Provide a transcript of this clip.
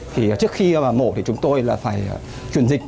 trước khi mổ thì chúng tôi phải chuyển dịch